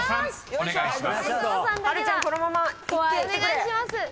お願いします。